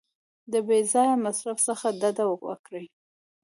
د بې ځایه مصرف څخه ډډه وکړئ.